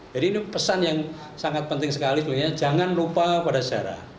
jadi ini pesan yang sangat penting sekali sebenarnya jangan lupa pada sejarah